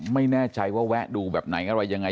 ไม่แน่ใจว่าแวะดูแบบไหนอะไรยังไง